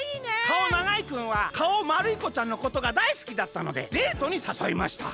「かおながいくんはかおまるいこちゃんのことがだいすきだったのでデートにさそいました。